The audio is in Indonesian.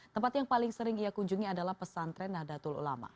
tempat yang paling sering ia kunjungi adalah pesantren nahdlatul ulama